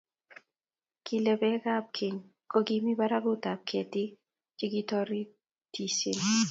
kile sbekab keny kokimi barakutab ketik chekirotisien